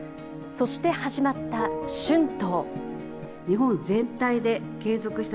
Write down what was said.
そして始まった春闘。